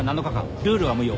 ルールは無用。